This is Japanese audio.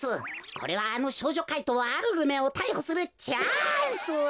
これはあの少女怪盗アルルめをたいほするチャンス！